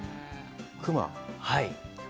熊？